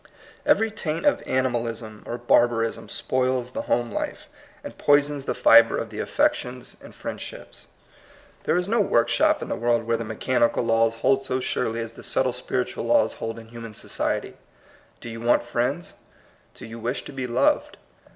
Every taint of animalism or barbarism spoils the home life, and poisons the fibre of the affec k*HE DIVINE UNIVERSE. 53 tions and friendships. There is no work shop in the world where the mechanical laws hold so surely as the subtle spirit ual laws hold in human society. Do you want friends? Do you wish to be loved?